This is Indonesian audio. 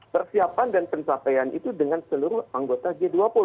persiapan dan pencapaian itu dengan seluruh anggota g dua puluh